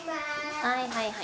はいはいはい。